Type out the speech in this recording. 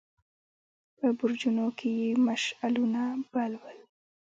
په برجونو کې يې مشعلونه بل ول.